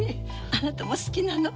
あなたも好きなの？